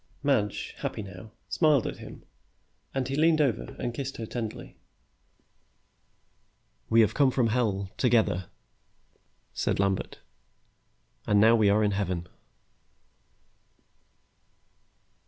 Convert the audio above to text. Madge, happy now, smiled at him and he leaned over and kissed her tenderly. "We have come from Hell, together," said Lambert, "and now we are in Heaven!"